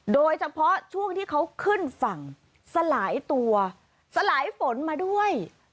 โดยเฉพาะช่วงที่เขาขึ้นฝั่งสลายตัวสลายฝนมาด้วย